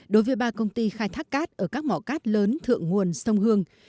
đối với ba công ty khai thác cát ở các mỏ cát lớn thượng nguồn sông hương